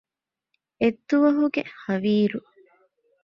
އެއްދުވަހުގެ ހަވީރު